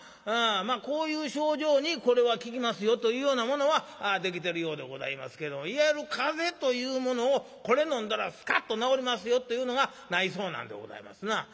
こういう症状にこれは効きますよというようなものはできてるようでございますけどもいわゆる風邪というものをこれ飲んだらスカッと治りますよっていうのがないそうなんでございますな。